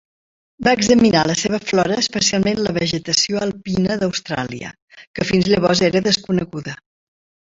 Va examinar la seva flora, especialment la vegetació alpina d'Austràlia, que fins llavors era desconeguda.